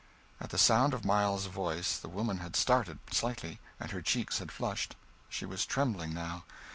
At the sound of Miles's voice the woman had started slightly, and her cheeks had flushed; she was trembling now.